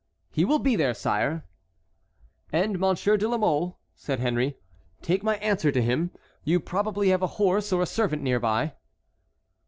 "He will be there, sire." "And, Monsieur de la Mole," said Henry, "take my answer to him. You probably have a horse or a servant near by?"